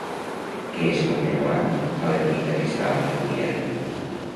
Què es commemorava a l'ermita que està al riu Biern?